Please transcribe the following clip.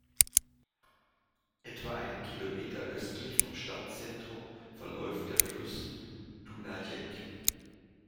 Etwa einen Kilometer östlich vom Stadtzentrum verläuft der Fluss Dunajec.